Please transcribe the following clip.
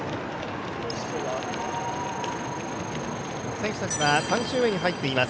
選手たちは３周目に入っています。